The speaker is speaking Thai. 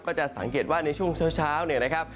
จะสังเกตว่าในช่วงเช้าเนี่ยนะครับ